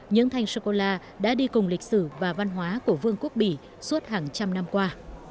những thanh sô cô la đã đi cùng lịch sử và văn hóa của vương quốc bỉ suốt hàng trăm năm qua